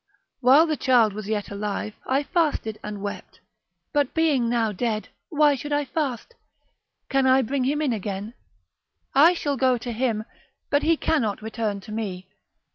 While the child was yet alive, I fasted and wept; but being now dead, why should I fast? Can I bring him again? I shall go to him, but he cannot return to me.